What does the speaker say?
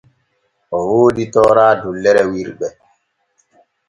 O woodi toora dullere wirɓe.